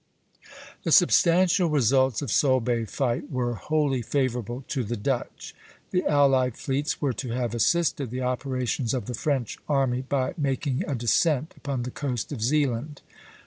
The substantial results of Solebay fight were wholly favorable to the Dutch. The allied fleets were to have assisted the operations of the French army by making a descent upon the coast of Zealand.